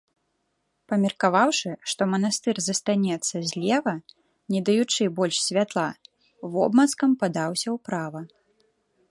Памеркаваўшы, што манастыр застанецца злева, не даючы больш святла, вобмацкам падаўся ўправа.